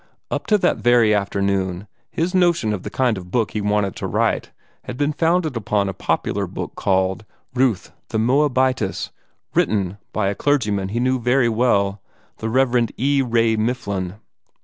Up to that very afternoon, his notion of the kind of book he wanted to write had been founded upon a popular book called "Ruth the Moabitess," written by a clergyman he knew very well, the Rev. E. Ray Mifflin.